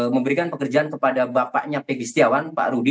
memberikan pekerjaan kepada bapaknya pegi setiawan pak rudi